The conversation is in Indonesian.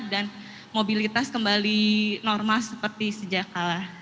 dan mobilitas kembali normal seperti sejak kala